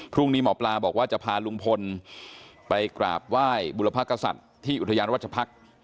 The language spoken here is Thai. พรุ่งนี้หมอปลาบอกว่าจะพาลุงพลไปกราบไหว้บุรพกษัตริย์ที่อุทยานราชพักษ์